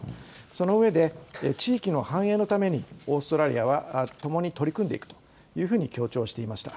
その上で、地域の繁栄のためにオーストラリアはともに取り組んでいくというふうに強調していました。